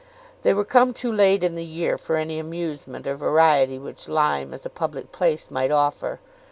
They were come too late in the year for any amusement or variety which Lyme, as a public place, might offer.